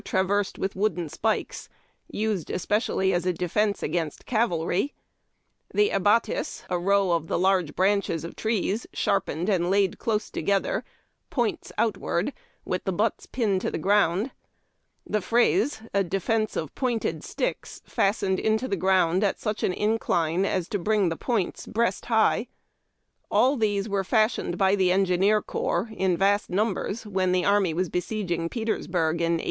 traversed witli wooden spikes, used especially as a defence against cavalry ; the Ahatls, a row of the large branches of trees, sharpened and laid close together, points outward, with the butts pinned to the ground ; the Frake, a defence of pointed sticks, fastened into the ground at such an incline as to bring the points breast high; — all these were fashioned by the engineer corps, in vast numbers, \y\\e\\ the army was besieging Peters burg in 1864.